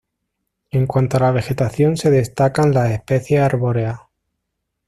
En cuanto a la vegetación se destacan las especies arbóreas.